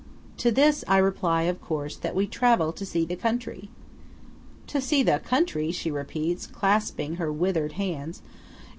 To this I reply, of course, that we travel to see the country. "To see the country!" she repeats, clasping her withered hands.